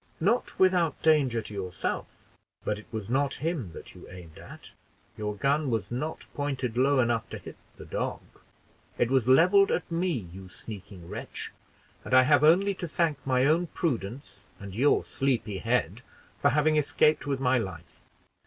"Not without danger to yourself; but it was not him that you aimed at your gun was not pointed low enough to hit the dog it was leveled at me, you sneaking wretch; and I have only to thank my own prudence and your sleepy head for having escaped with my life.